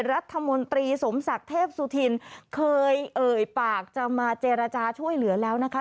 รัฐมนตรีสมศักดิ์เทพสุธินเคยเอ่ยปากจะมาเจรจาช่วยเหลือแล้วนะคะ